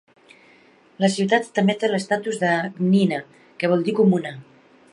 La ciutat també té l'estatus de "gmina", que vol dir "comuna".